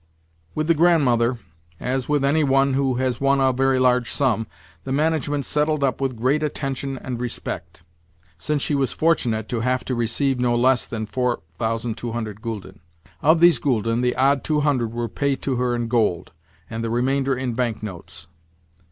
With the Grandmother, as with any one who has won a very large sum, the management settled up with great attention and respect, since she was fortunate to have to receive no less than 4200 gülden. Of these gülden the odd 200 were paid her in gold, and the remainder in bank notes.